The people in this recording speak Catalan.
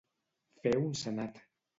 Fer un sanat.